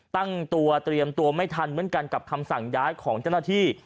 ตั้งตัวเตรียมตัวไม่ทันเหมือนกันกับคำสั่งย้ายของเจ้าหน้าที่